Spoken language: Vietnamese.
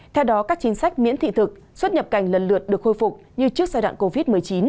theo đó các chính sách miễn thị thực xuất nhập cảnh lần lượt được khôi phục như trước giai đoạn covid một mươi chín